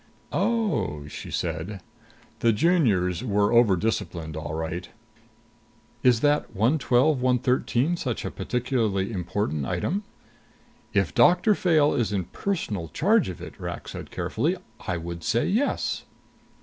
"Oh," she said. The Juniors were overdisciplined, all right. "Is that 112 113 such a particularly important item?" "If Doctor Fayle is in personal charge of it," Rak said carefully, "I would say yes."